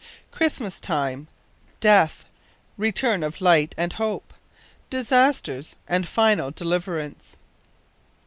CHRISTMAS TIME DEATH RETURN OF LIGHT AND HOPE DISASTERS AND FINAL DELIVERANCE.